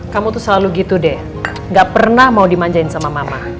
kamu tuh selalu gitu deh gak pernah mau dimanjain sama mama